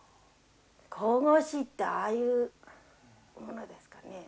神々しいってああいうものですかね。